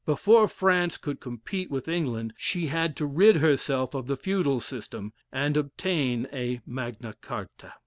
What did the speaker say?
Before France could compete with England, she had to rid herself of the feudal system, and obtain a Magna Charta.